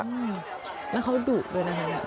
แล้วเขาดุด้วยนะครับ